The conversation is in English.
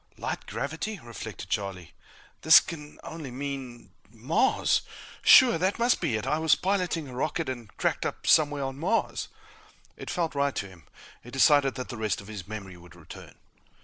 Light gravity! reflected Charlie. This can only mean MARS! Sure! That must be it I was piloting a rocket and cracked up somewhere on Mars. It felt right to him. He decided that the rest of his memory would return.